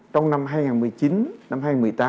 trong năm hai nghìn một mươi chín năm hai nghìn một mươi tám